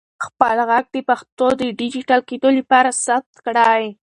خپل ږغ د پښتو د ډیجیټل کېدو لپاره ثبت کړئ.